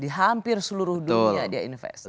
di hampir seluruh dunia dia investor